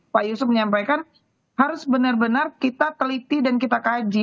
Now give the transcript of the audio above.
pak yusuf menyampaikan harus benar benar kita teliti dan kita kaji